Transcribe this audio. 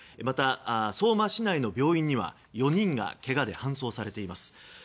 また、相馬市内の病院には４人がけがで搬送されています。